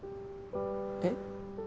えっ？